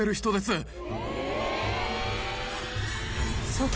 ［そう。